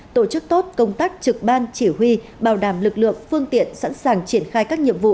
tổ chức tốt công tác trực ban chỉ huy bảo đảm lực lượng phương tiện sẵn sàng triển khai các nhiệm vụ